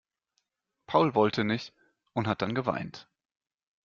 Paul wollte nicht und hat dann geweint.